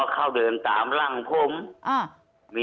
เขาเดินตามร่างผม